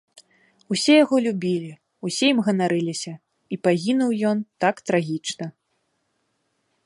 Усе яго любілі, усе ім ганарыліся, і пагінуў ён так трагічна.